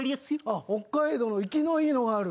あ北海道の活きのいいのがある。